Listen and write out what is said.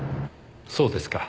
そうですか。